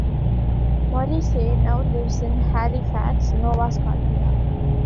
Morrissey now lives in Halifax, Nova Scotia.